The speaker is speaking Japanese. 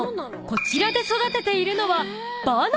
こちらで育てているのは］